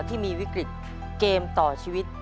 ที่มีวิกฤตเกมต่อชีวิต